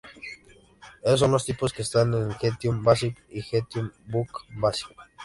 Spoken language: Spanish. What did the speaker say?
Esos son los tipos que están en Gentium Basic y Gentium Book Basic.